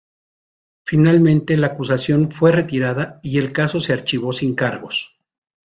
Finalmente la acusación fue retirada y el caso se archivó sin cargos.